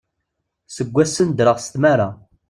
Seg wassen ddreɣ s tmara.